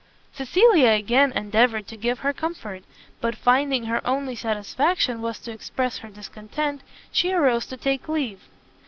Cecilia again endeavoured to give her comfort; but finding her only satisfaction was to express her discontent, she arose to take leave.